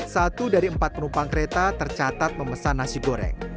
satu dari empat penumpang kereta tercatat memesan nasi goreng